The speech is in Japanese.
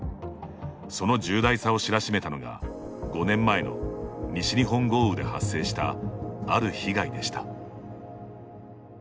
その重大さを知らしめたのが５年前の西日本豪雨で発生したある被害でした。